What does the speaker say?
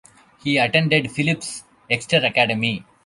He attended Phillips Exeter Academy.